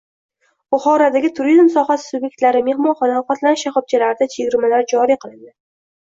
Buxorodagi turizm sohasi sub’ektlari, mehmonxona, ovqatlanish shoxobchalarida chegirmalar joriy qilindi